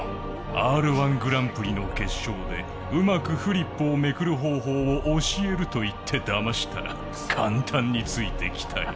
Ｒ−１グランプリ決勝でうまくフリップをめくる方法を教えると言ってだましたら簡単についてきたよ。